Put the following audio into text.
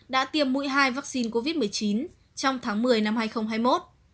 đã tiêm mũi hai vaccine covid một mươi chín trong tháng một mươi năm hai nghìn hai mươi một